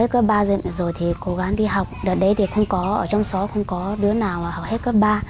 khi học đợt đấy thì không có ở trong xó không có đứa nào học hết cấp ba